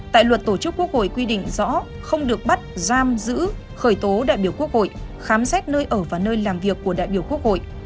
tại luật tổ chức quốc hội quy định rõ không được bắt giam giữ khởi tố đại biểu quốc hội khám xét nơi ở và nơi làm việc của đại biểu quốc hội